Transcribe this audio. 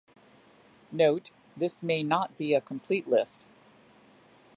Note: This may not be a complete list.